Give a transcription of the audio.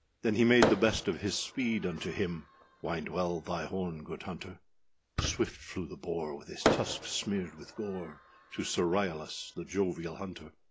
Then he made the best of his speed unto him, Wind well thy horn, good hunter; [Swift flew the boar, with his tusks smeared with [gore], {125a} To Sir Ryalas, the jovial hunter.